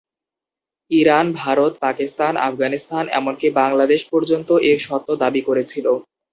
Iran, Bharat, Pakistan, Afghanistan, এমনকি বাংলাদেশ পর্যন্ত এর সত্ত্ব দাবি করেছিল।